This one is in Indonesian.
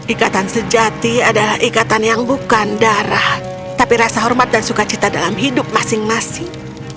ikatan sejati adalah ikatan yang bukan darah tapi rasa hormat dan sukacita dalam hidup masing masing